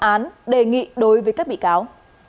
mức án đề nghị đối với các bị cáo